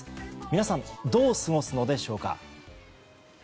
皆さんどう過ごすのでしょうか。